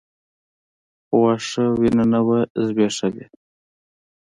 خو واښه وينه نه وه ځبېښلې.